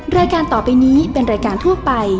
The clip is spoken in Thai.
รายการต่อไปนี้เป็นรายการทั่วไป